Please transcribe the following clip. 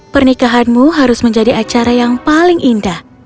pernikahanmu harus menjadi acara yang paling indah